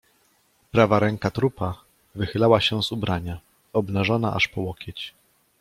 "Prawa ręka trupa wychylała się z ubrania, obnażona aż po łokieć."